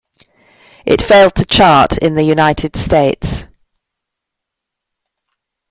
It failed to chart in the United States.